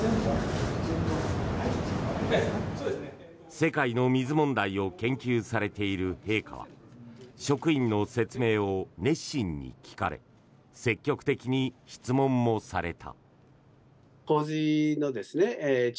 世界の水問題を研究されている陛下は職員の説明を熱心に聞かれ積極的に質問もされた。